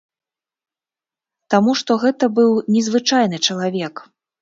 Таму што гэта быў незвычайны чалавек.